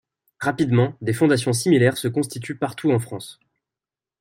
Rapidement, des fondations similaires se constituent partout en France.